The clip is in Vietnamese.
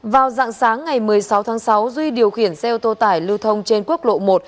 vào dạng sáng ngày một mươi sáu tháng sáu duy điều khiển xe ô tô tải lưu thông trên quốc lộ một